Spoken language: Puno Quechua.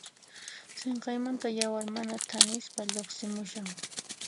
Sinqaymanta yawar mana thanispa lluqsimushan.